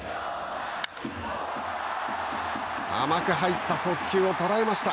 甘く入った速球を捉えました。